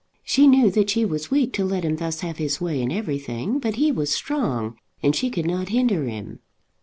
She knew that she was weak to let him thus have his way in everything; but he was strong and she could not hinder him.